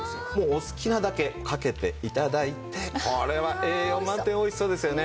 お好きなだけかけて頂いてこれは栄養満点おいしそうですよね。